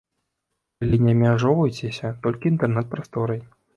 Але не абмяжоўвайцеся толькі інтэрнэт-прасторай.